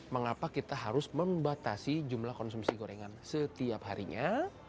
mengapa kita harus membatasi jumlah konsumsi gorengan setiap harinya